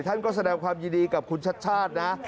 ท่านก็แสดงความยินดีกับคุณชัดชาตินะ